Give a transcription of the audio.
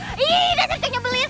ih dah nyerekin nyebelin